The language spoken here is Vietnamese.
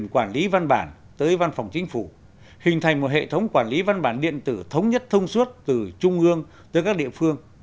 quản lý văn bản tới văn phòng chính phủ hình thành một hệ thống quản lý văn bản điện tử thống nhất thông suốt từ trung ương tới các địa phương